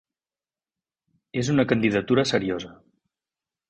És una candidatura seriosa.